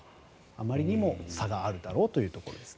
あまりにも差があるだろうということですね。